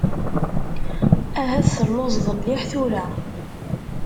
Ahat telluẓeḍ mliḥ tura.